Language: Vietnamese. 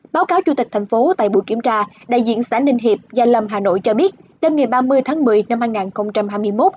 báo cáo chủ tịch thành phố tại buổi kiểm tra đại diện xã ninh hiệp gia lâm hà nội cho biết đêm ngày ba mươi tháng một mươi năm hai nghìn hai mươi một